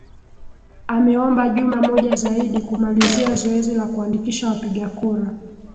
ameomba juma moja zaidi kumalizia zoezi la kuandikisha wapiga kura